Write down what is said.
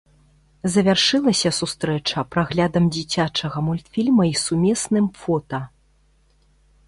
Завяршылася сустрэча праглядам дзіцячага мультфільма і сумесным фота.